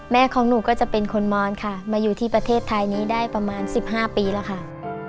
ของหนูก็จะเป็นคนมอนค่ะมาอยู่ที่ประเทศไทยนี้ได้ประมาณ๑๕ปีแล้วค่ะ